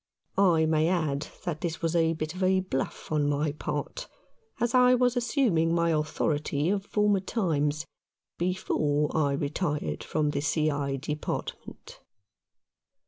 I may add that this was a bit of bluff on my part, as I was as suming my authority of former times, before I retired from the C. I. Department.